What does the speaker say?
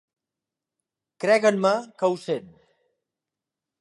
Creguen-me que ho sent.